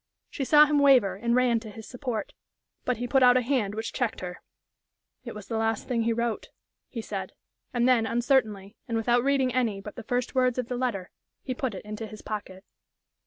She saw him waver, and ran to his support. But he put out a hand which checked her. "It was the last thing he wrote," he said; and then, uncertainly, and without reading any but the first words of the letter, he put it into his pocket.